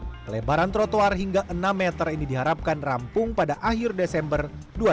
pelebaran trotoar hingga enam meter ini diharapkan rampung pada akhir desember dua ribu dua puluh